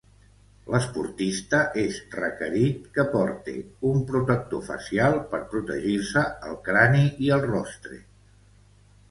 L'esportista és requerit que porte un protector facial per protegir-se el crani i el rostre.